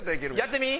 やってみ？